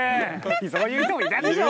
そういう人もいたでしょう。